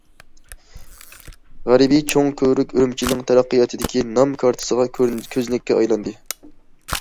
غەربىي چوڭ كۆۋرۈك ئۈرۈمچىنىڭ تەرەققىياتىدىكى نام كارتىسىغا، كۆزنەككە ئايلاندى.